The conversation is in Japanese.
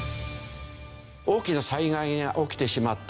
大きな災害が起きてしまった。